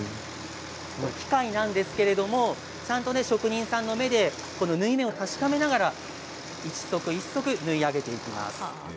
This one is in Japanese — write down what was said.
機械なんですけれどもちゃんと職人さんの目で縫い目を確かめながら一足一足縫い上げていきます。